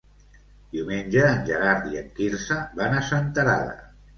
Diumenge en Gerard i en Quirze van a Senterada.